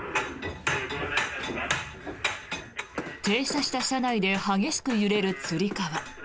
停車した車内で激しく揺れるつり革。